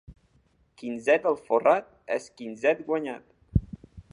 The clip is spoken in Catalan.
Quinzet alforrat és quinzet guanyat.